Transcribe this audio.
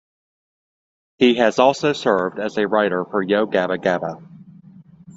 He has also served as a writer for Yo Gabba Gabba!